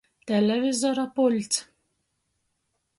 Televizora puļts.